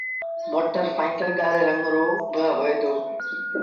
موٽر سآئيٚڪل ڳآڙي رنگ رو با هوئي دو۔